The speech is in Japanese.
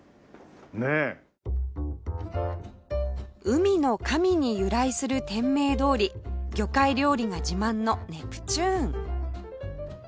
海の神に由来する店名どおり魚介料理が自慢のネプチューン